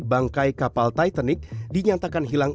bangkai kapal titanic dinyatakan hilang